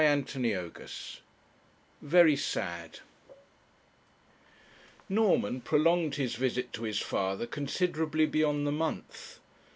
CHAPTER XIV VERY SAD Norman prolonged his visit to his father considerably beyond the month.